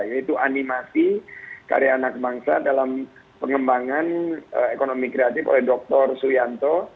yaitu animasi karya anak bangsa dalam pengembangan ekonomi kreatif oleh dr suyanto